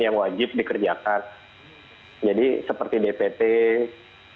yang wajib dikerjakan jadi seperti dpt